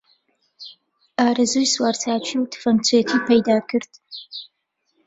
ئارەزووی سوارچاکی و تفەنگچێتی پەیدا کرد